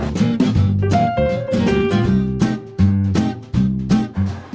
ก็ใช่ครับ